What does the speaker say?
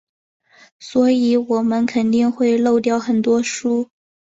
所以我们肯定会漏掉很多书。